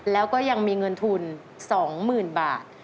แล้วก็ยังมีเงินทุน๒๐๐๐บาท